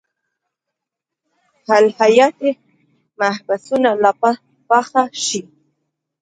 الهیاتي مبحثونه لا پاخه شي.